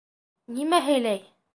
— Нимә һөйләй?